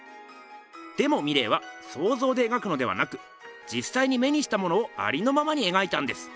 でもミレーはそうぞうで描くのではなくじっさいに目にしたものをありのままに描いたんです。